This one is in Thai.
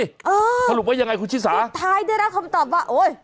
เออสรุปว่ายังไงคุณชิสาท้ายได้รับคำตอบว่าโอ้ย